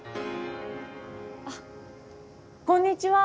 あっこんにちは。